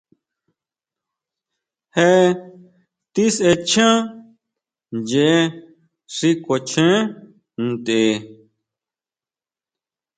Je tisʼechan ʼyee xi kuachen ntʼe.